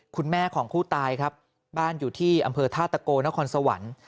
คุณแม่ของผู้ตายครับบ้านอยู่ที่อำเภอท่าตะโกนครสวรรค์